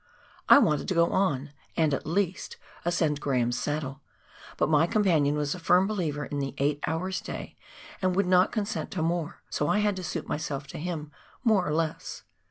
I wanted to go on, and, at least, ascend Graham's Saddle, but my companion was a firm believer in the eight hours' day, and would not consent to more, so I had to suit myself to him more or less.